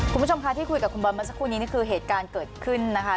คุณผู้ชมคะที่คุยกับคุณบอลมาสักครู่นี้นี่คือเหตุการณ์เกิดขึ้นนะคะ